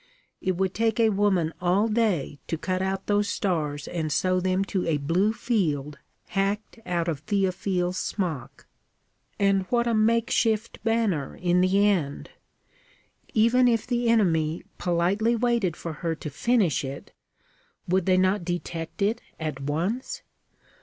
It would take a woman all day to cut out those stars and sew them to a blue field hacked out of Théophile's smock. And what a makeshift banner, in the end! Even if the enemy politely waited for her to finish it, would they not detect it at once?